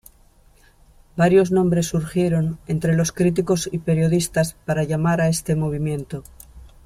Varios nombres surgieron entre los críticos y periodistas para llamar a este movimiento.